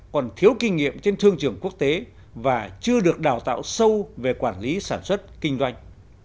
còn thiếu kinh nghiệm trên thương trường quốc tế và chưa được đào tạo sâu về quản lý sản xuất kinh doanh